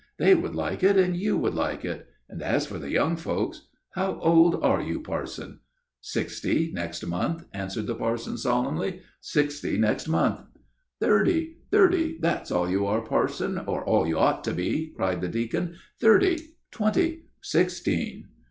They would like it, and you would like it, and as for the young folks how old are you, parson?" "Sixty next month," answered the parson; "sixty next month," he repeated solemnly. "Thirty! thirty! that's all you are, parson, or all you ought to be," cried the deacon. "Thirty, twenty, sixteen!